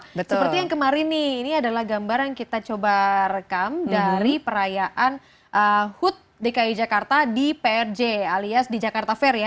seperti yang kemarin nih ini adalah gambar yang kita coba rekam dari perayaan hut dki jakarta di prj alias di jakarta fair ya